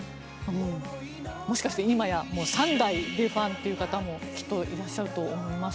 もしかして今やもう３代でファンっていう方もきっといらっしゃると思います。